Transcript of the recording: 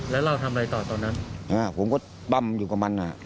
แล้วเราทำไรต่อตอนนั้นฮะผมก็ปั้่มอยู่กับมัน